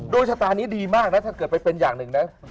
ชะตานี้ดีมากนะถ้าเกิดไปเป็นอย่างหนึ่งนะ